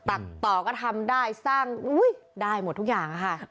ตัดต่อก็ทำได้สร้างได้หมดทุกอย่างค่ะ